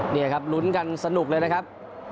นี่ครับลุ้นกันสนุกเลยนะครับ